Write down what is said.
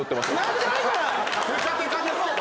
テカテカですけど。